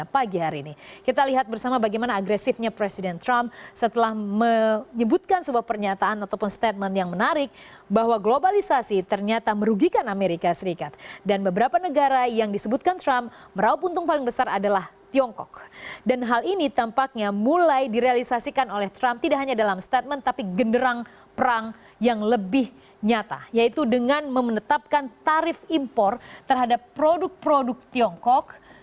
perang yang lebih nyata yaitu dengan memenetapkan tarif impor terhadap produk produk tiongkok